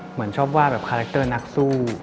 เหมือนชอบวาดกับหนักสู้